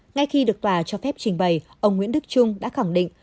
ngay khi được tòa cho phép trình bày ông nguyễn đức trung đã khẳng định